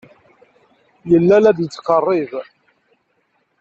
Yella la d-yettqerrib.